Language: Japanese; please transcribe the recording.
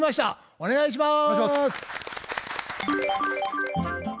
お願いします。